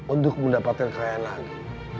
untuk mendapatkan kayaan lagi